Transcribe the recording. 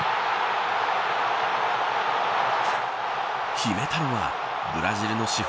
決めたのはブラジルの至宝